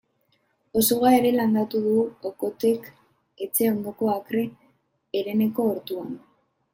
Osuga ere landatu du Okothek etxe ondoko akre hereneko ortuan.